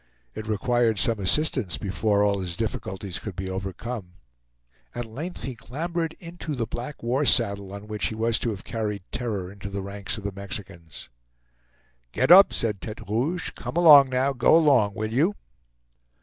It required some assistance before all his difficulties could be overcome. At length he clambered into the black war saddle on which he was to have carried terror into the ranks of the Mexicans. "Get up," said Tete Rouge, "come now, go along, will you."